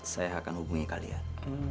saya akan hubungi kalian